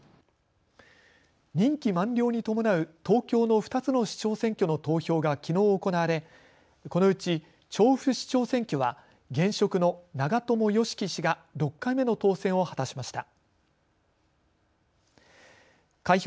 任期満了に伴う東京の２つの市長選挙の投票がきのう行われ、このうち調布市長選挙は現職の長友貴樹氏が６回目の当選を果たしました。